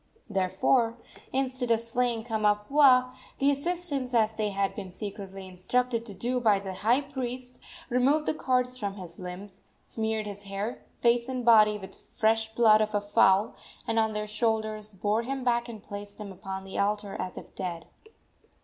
Therefore, instead of slaying Kamapuaa, the assistants, as they had been secretly instructed to do by the high priest, removed the cords from his limbs, smeared his hair, face and body with the fresh blood of a fowl, and on their shoulders bore him back and placed him upon the altar as if dead.